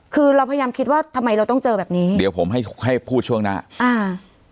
คือเราพยายามคิดว่าทำไมเราต้องเจอแบบนี้เดี๋ยวผมให้ให้พูดช่วงหน้าอ่า